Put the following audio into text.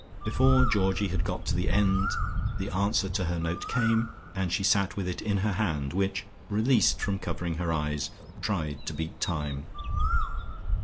Before Georgie had got to the end the answer to her note came, and she sat with it in her hand, which, released from covering her eyes, tried to beat time.